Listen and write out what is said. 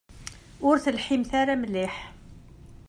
Ur telhimt ara mliḥ.